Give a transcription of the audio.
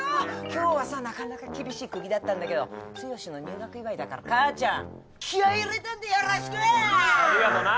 今日はさなかなか厳しい釘だったんだけど剛の入学祝いだから母ちゃん気合入れたんでよろしく！ありがとな。